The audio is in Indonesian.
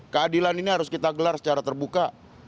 keadilan ini harus kita gelar secara terbuka